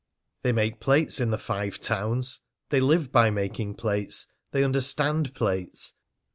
They make plates in the Five Towns. They live by making plates. They understand plates.